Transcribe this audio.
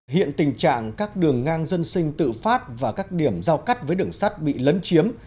hiện tình trạng các đường ngang dân sinh tự phát và các điểm giao cắt với đường sắt bị lấn chiếm